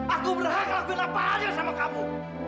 aku berhak lakukan apa aja sama kamu